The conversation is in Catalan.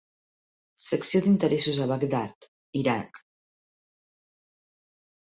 Secció d'Interessos a Bagdad, Iraq.